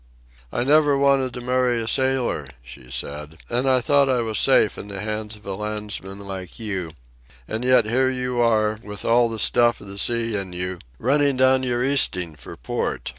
"I never wanted to marry a sailor," she said. "And I thought I was safe in the hands of a landsman like you. And yet here you are, with all the stuff of the sea in you, running down your easting for port.